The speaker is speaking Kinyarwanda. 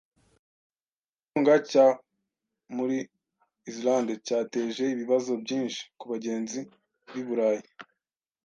Ikirunga cya muri Islande cyateje ibibazo byinshi kubagenzi b’i Burayi